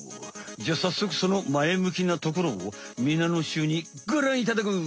じゃあさっそくその前向きなところをみなのしゅうにごらんいただこう！